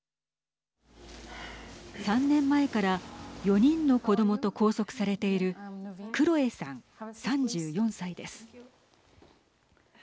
３年前から４人の子どもと拘束されているクロエさん、３４歳です。